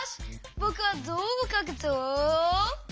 ぼくはゾウをかくぞう！